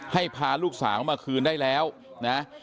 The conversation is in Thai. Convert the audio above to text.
พาลูกสาวมาคืนได้แล้วนะ